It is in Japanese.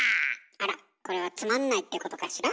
あらこれは「つまんない」ってことかしら。